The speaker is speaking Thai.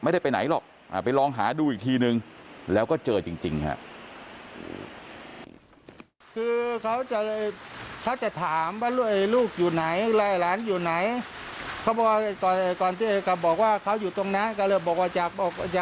ไม่ได้ไปไหนหรอกไปลองหาดูอีกทีนึงแล้วก็เจอจริงฮะ